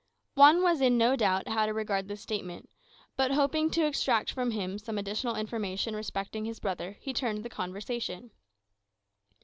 Juan was in no doubt how to regard this statement; but hoping to extract from him some additional information respecting his brother, he turned the conversation.